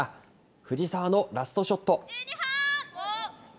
藤澤のラストショット。